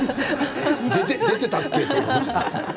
出てたっけって思いました。